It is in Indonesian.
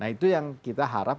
nah itu yang kita harap